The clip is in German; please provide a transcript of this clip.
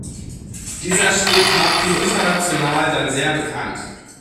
Dieser Schritt machte ihn international dann sehr bekannt.